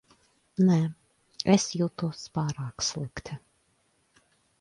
Nē, es jūtos pārāk slikti.